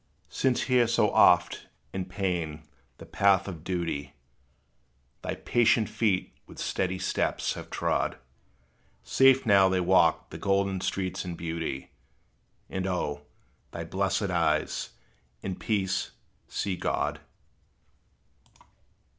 Since here so oft, in pain, the path of duty Thy patient feet, with steady steps, have trod, Safe now they walk the golden streets in beauty; And, O! thy blessed eyes, in peace, see God!